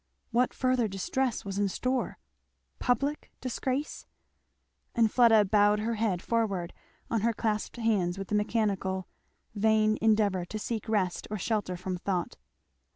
what further distress was in store? Public disgrace? and Fleda bowed her head forward on her clasped hands with the mechanical, vain endeavour to seek rest or shelter from thought.